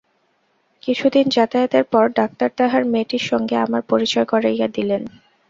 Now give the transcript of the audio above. কিছুদিন যাতায়াতের পর ডাক্তার তাঁহার মেয়েটির সঙ্গে আমার পরিচয় করাইয়া দিলেন।